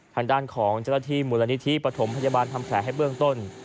ทางด้านของเจ้าหน้าที่มูลนิธิปฐมพยาบาลทำแผลให้เบื้องต้น